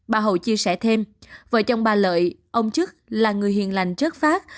bà hậu chia sẻ thêm vợ chồng bà lợi ông chức là người hiền lành trước phát